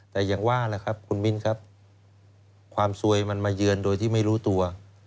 แต่อย่างว่าแหละครับคุณมิ้นครับความสวยมันมาเยือนโดยที่ไม่รู้ตัว